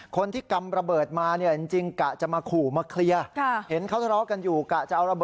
คนที่กำระเบิดมาจริงกะจะมา